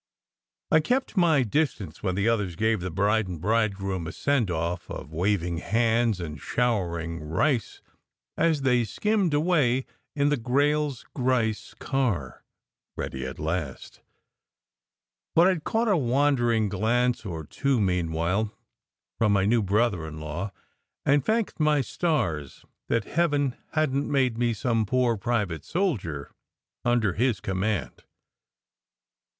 I kept my distance when the others gave the bride and bridegroom a send off of waving hands and showering rice as they skimmed away in the Grayles Grice car (ready at last) ; but I d caught a wandering glance or two meanwhile from my new brother in law, and thanked my stars that Heaven hadn t made me some poor private soldier under his command.